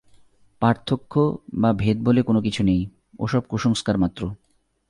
পার্থক্য বা ভেদ বলে কোন কিছু নেই, ও-সব কুসংস্কারমাত্র।